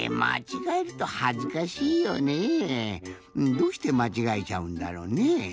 どうしてまちがえちゃうんだろうねぇ？